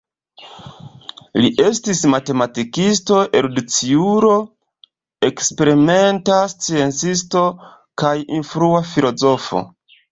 Li estis matematikisto, erudiciulo, eksperimenta sciencisto kaj influa filozofo.